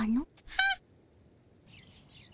はっ？